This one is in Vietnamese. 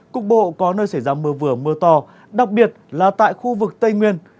cục bộ có nơi xảy ra mưa vừa mưa to đặc biệt là tại khu vực tây nguyên